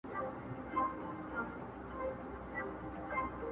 چي د مجنون په تلاښ ووزمه لیلا ووینم!.